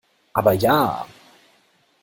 Aber ja!